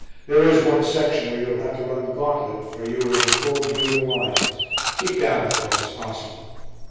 "There is one section where you will have to run the gauntlet for you are in full view of the lines. Keep down as low as possible."